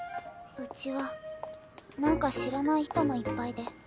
うちはなんか知らない人もいっぱいで。